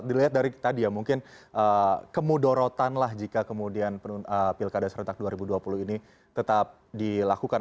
dilihat dari tadi ya mungkin kemudorotan lah jika kemudian pilkada serentak dua ribu dua puluh ini tetap dilakukan